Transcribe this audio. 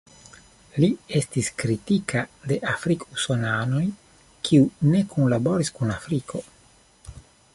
Li estis kritika de afrik-usonanoj kiuj ne kunlaboris kun Afriko.